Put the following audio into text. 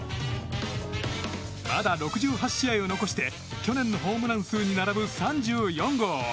まだ６８試合を残して、去年のホームラン数に並ぶ３４号。